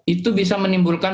itu bisa menimbulkan